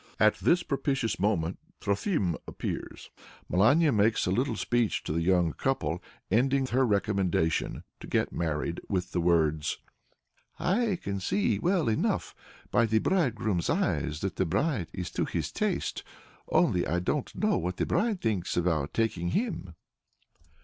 At this propitious moment Trofim appears. Melania makes a little speech to the young couple, ending her recommendation to get married with the words: "I can see well enough by the bridegroom's eyes that the bride is to his taste, only I don't know what the bride thinks about taking him."